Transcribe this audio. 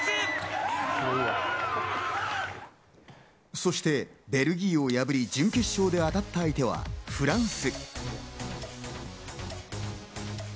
そしてベルギーを破り、準決勝であたったのはフランス。